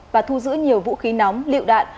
và thu giữ nhiều vũ khí nóng liệu đạn